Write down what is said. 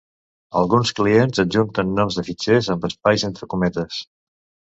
Alguns clients adjunten noms de fitxers amb espais entre cometes.